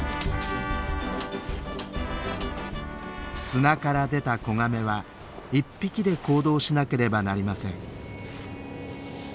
砂から出た子ガメは１匹で行動しなければなりません。